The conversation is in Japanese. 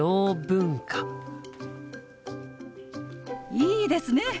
いいですね！